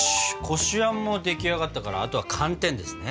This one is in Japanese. こしあんも出来上がったからあとは寒天ですね。